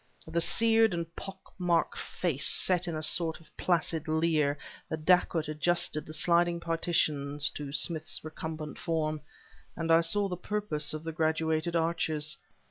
The seared and pock marked face set in a sort of placid leer, the dacoit adjusted the sliding partitions to Smith's recumbent form, and I saw the purpose of the graduated arches.